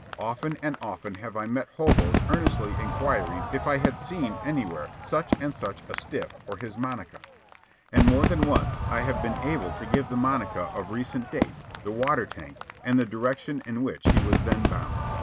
Often and often have I met hoboes earnestly inquiring if I had seen anywhere such and such a "stiff" or his monica. And more than once I have been able to give the monica of recent date, the water tank, and the direction in which he was then bound.